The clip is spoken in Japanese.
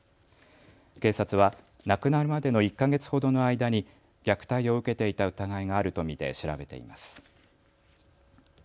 警察は亡くなるまでの１か月ほどの間に虐待を受けていた疑いがあると見て調べています。